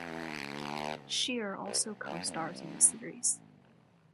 Scheer also co-stars in the series.